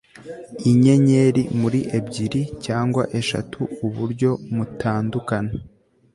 Inyenyeri muri ebyiri cyangwa eshatu uburyo mutandukana